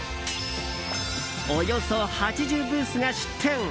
およそ８０ブースが出店。